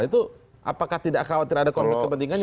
itu apakah tidak khawatir ada konflik kepentingannya